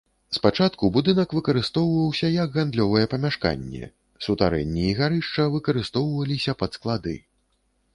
Спачатку будынак выкарыстоўваўся як гандлёвае памяшканне, сутарэнні і гарышча выкарыстоўваліся пад склады.